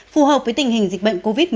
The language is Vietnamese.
phù hợp với tình hình dịch bệnh covid một mươi